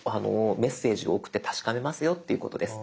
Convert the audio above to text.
メッセージを送って確かめますよということです。